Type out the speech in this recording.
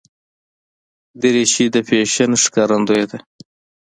دریشي د فیشن ښکارندویه ده.